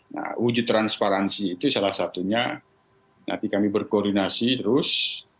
nah wujud transparansi itu salah satunya nanti kami berkoordinasi terus